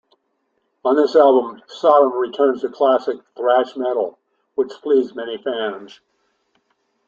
On this album, Sodom returned to classic thrash metal which pleased many fans.